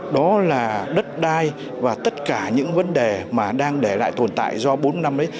đó là đất đai và tất cả những vấn đề mà đang để lại tồn tại do bốn năm đấy